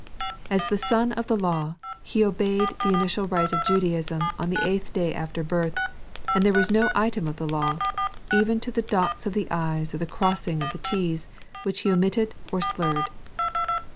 As the Son of the Law, He obeyed the initial rite of Judaism on the eighth day after birth, and there was no item of the law, even to the dots of the Cs or the crossing of the t's which He omitted or slurred.